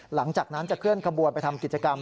หลังจากนั้นจะเคลื่อนขบวนไปทำกิจกรรม